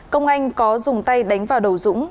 công anh có dùng tay đánh vào đầu dũng